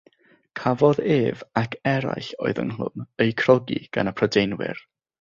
Cafodd ef ac eraill oedd ynghlwm eu crogi gan y Prydeinwyr.